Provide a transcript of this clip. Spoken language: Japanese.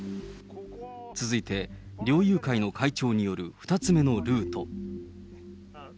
続いて、猟友会の会長による２つ目のルート。